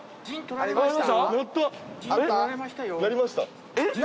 鳴りました？